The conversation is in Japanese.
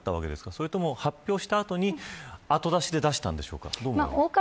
それとも、発表した後に後出しで、出したんでしょうか。